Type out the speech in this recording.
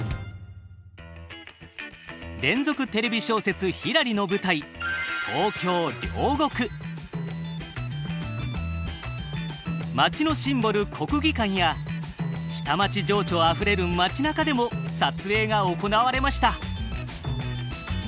連続テレビ小説「ひらり」の舞台町のシンボル国技館や下町情緒あふれる町なかでも撮影が行われました。